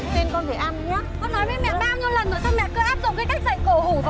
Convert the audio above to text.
con nói với mẹ bao nhiêu lần rồi sao mẹ cứ áp dụng cái cách dạy cổ hủ vào con của con thế